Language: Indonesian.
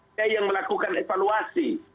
dia yang melakukan evaluasi